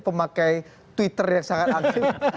pemakai twitter yang sangat aktif